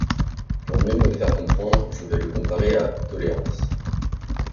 Pour mieux me faire comprendre, je vais le comparer à 'tolérance'.